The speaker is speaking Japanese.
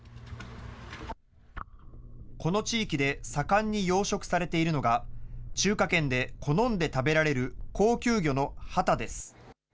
この地域で盛んに養殖されているのが、中華圏で好んで食べられる高級魚のハタです。